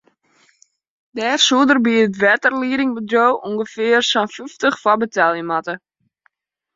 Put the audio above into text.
Dêr soed er by it wetterliedingbedriuw ûngefear sân fyftich foar betelje moatte.